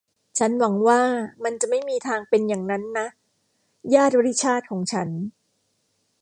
ฉันหวังว่ามันจะไม่มีทางเป็นอย่างนั้นนะ ญาติริชาร์ดของฉัน